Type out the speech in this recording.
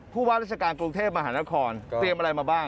ว่าราชการกรุงเทพมหานครเตรียมอะไรมาบ้าง